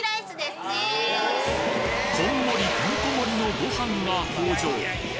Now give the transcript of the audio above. こんもりてんこ盛りのご飯が登場！